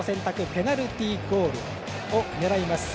ペナルティゴールを狙います。